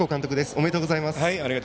おめでとうございます。